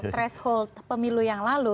threshold pemilu yang lalu